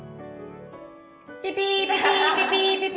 ピピピピピピピピ。